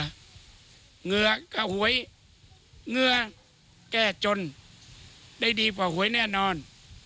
เหงื่อกับหวยเงื่อแก้จนได้ดีกว่าหวยแน่นอน